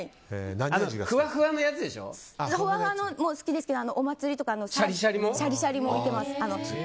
ふわふわのも好きですけどお祭りとかのシャリシャリもいけます。